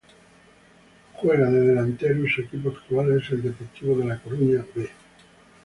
Juega de delantero y su equipo actual es el Deportivo de La Coruña "B".